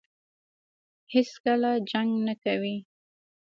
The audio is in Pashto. هېڅکله جنګ نه کوي.